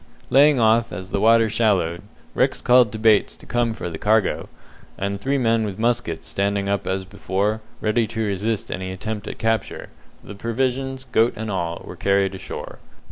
Laying off as the water shallowed, Rex called to Bates to come for the cargo, and three men with muskets standing up as before, ready to resist any attempt at capture, the provisions, goat and all, were carried ashore.